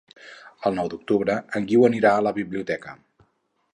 El nou d'octubre en Guiu anirà a la biblioteca.